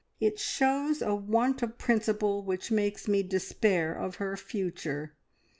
It shows a want of principle which makes me despair of her future.